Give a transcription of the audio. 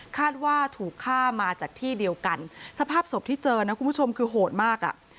คาดว่าถูกฆ่ามาจากที่เดียวกันสภาพศพที่เจอนะคุณผู้ชมคือโหดมากอ่ะ